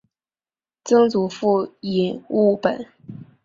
曾祖父尹务本。